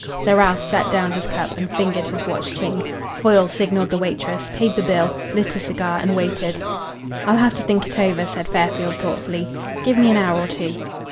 Sir Ralph set down his cup and fingered his watch chain. Foyle signalled the waitress, paid the bill, lit a cigar and waited. "I'll have to think over it," said Fairfield thoughtfully. "Give me an hour or two."